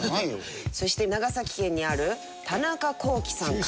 そして長崎県にある田中工機さんから。